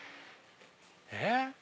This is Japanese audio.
えっ？